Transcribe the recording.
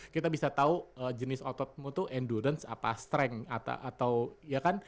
kita bisa tahu jenis ototmu itu endurance apa strength atau ya kan